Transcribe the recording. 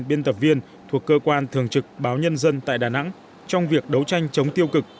biên tập viên thuộc cơ quan thường trực báo nhân dân tại đà nẵng trong việc đấu tranh chống tiêu cực